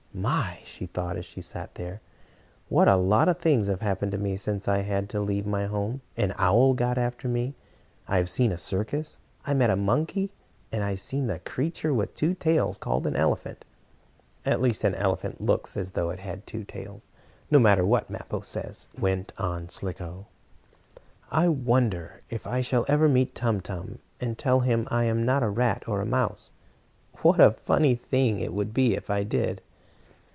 "My!" she thought, as she sat there. "What a lot of things have happened to me since I had to leave my home. An owl got after me, I have seen a circus, I met a monkey and I have seen a creature, with two tails, called an elephant. At least an elephant looks as though it had two tails, no matter what Mappo says," went on Slicko. "I wonder if I shall ever meet Tum Tum, and tell him I am not a rat or a mouse? What a funny thing it would be if I did."